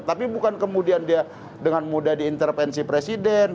tapi bukan kemudian dia dengan mudah diintervensi presiden